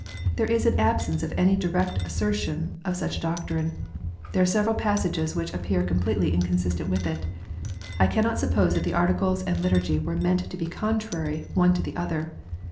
There is an absence of any direct asser tion of such a doctrine. There are several passages which appear completely inconsistent with it. I cannot suppose that the Articles and Liturgy were meant to be contrary one to the other.